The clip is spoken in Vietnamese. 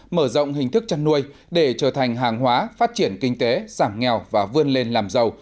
mở rộng hình thức chăn nuôi để trở thành hàng hóa phát triển kinh tế giảm nghèo và vươn lên làm giàu